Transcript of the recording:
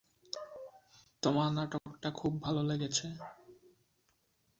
তোমার নাটকটা খুব ভালো লেগেছে।